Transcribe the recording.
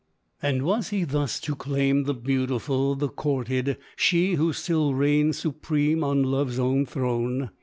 And was he thus to claim the beautiful, the courted— she who still reigned supreme on Lovers own throne